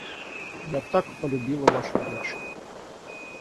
Я так полюбила вашу дочь.